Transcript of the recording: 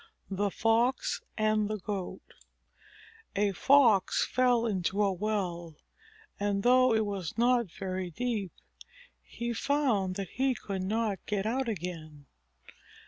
_ THE FOX AND THE GOAT A Fox fell into a well, and though it was not very deep, he found that he could not get out again.